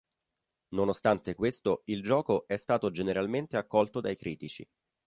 Nonostante questo, il gioco è stato generalmente accolto dai critici.